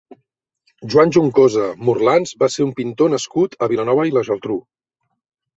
Joan Juncosa Morlans va ser un pintor nascut a Vilanova i la Geltrú.